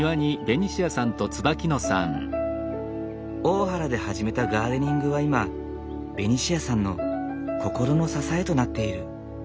大原で始めたガーデニングは今ベニシアさんの心の支えとなっている。